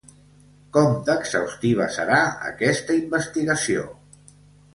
Com d'exhaustiva serà aquesta investigació?